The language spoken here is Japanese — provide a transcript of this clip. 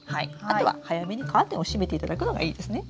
あとは早めにカーテンを閉めていただくのがいいですね。